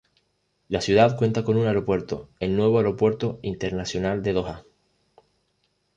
La ciudad cuenta con un aeropuerto, el Nuevo Aeropuerto Internacional de Doha.